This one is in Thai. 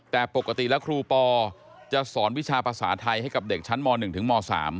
แต่ปกติแล้วครูปอจะสอนวิชาภาษาไทยให้กับเด็กชั้นม๑ถึงม๓